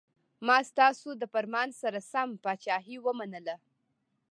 ما ستاسو د فرمان سره سم پاچهي ومنله.